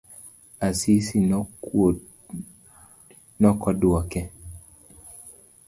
Asisi nokoduoke.